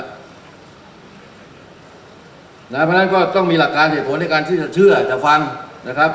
เพราะฉะนั้นก็ต้องมีหลักการเหตุผลในการที่จะเชื่อจะฟังนะครับ